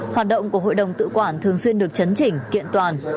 hoạt động của hội đồng tự quản thường xuyên được chấn chỉnh kiện toàn